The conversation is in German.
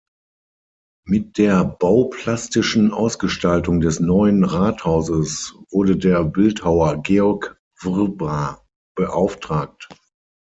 Mit der bauplastischen Ausgestaltung des neuen Rathauses wurde der Bildhauer Georg Wrba beauftragt.